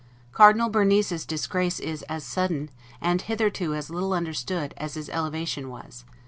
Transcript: Cardinal Bernis's disgrace is as sudden, and hitherto as little understood, as his elevation was.